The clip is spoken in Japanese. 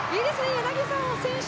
柳澤選手